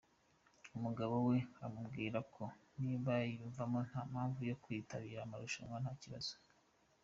Umugabo we amaubwira ko niba yiyumvamo, nta mpamvu yo kutitabira amarushanwa nta kibazo.